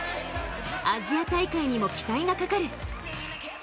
アジア大会にも期待がかかる。